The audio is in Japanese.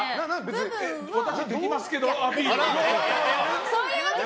私はできますけどアピールが。